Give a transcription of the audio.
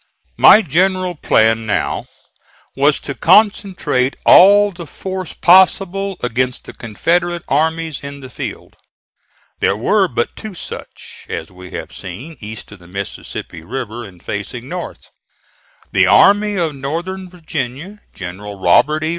My general plan now was to concentrate all the force possible against the Confederate armies in the field. There were but two such, as we have seen, east of the Mississippi River and facing north. The Army of Northern Virginia, General Robert E.